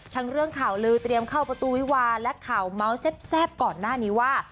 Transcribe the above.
ทั้งเรื่องข่าวลือเตรียมเข้าประตูวิวาและข่าวเมาส์แซ่บก่อนหน้านี้ว่า